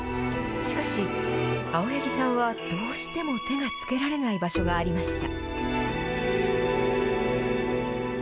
しかし、青柳さんはどうしても手がつけられない場所がありました。